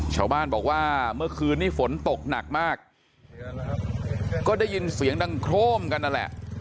ชาวบ้านบอกว่าเมื่อคืนนี้ฝนตกหนักมากก็ได้ยินเสียงดังโครมกันนั่นแหละ